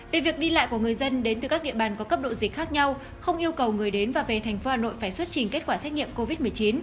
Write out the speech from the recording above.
về việc đi lại của người dân đến từ các địa bàn có cấp độ dịch khác nhau không yêu cầu người đến và về thành phố hà nội phải xuất trình kết quả xét nghiệm covid một mươi chín